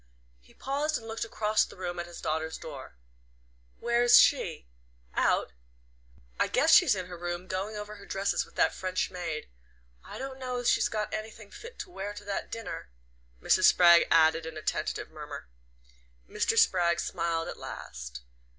He paused and looked across the room at his daughter's door. "Where is she out?" "I guess she's in her room, going over her dresses with that French maid. I don't know as she's got anything fit to wear to that dinner," Mrs. Spragg added in a tentative murmur. Mr. Spragg smiled at last.